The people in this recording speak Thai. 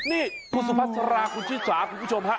นี่คุณสุภาษาราคุณชิสาคุณผู้ชมฮะ